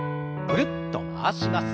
ぐるっと回します。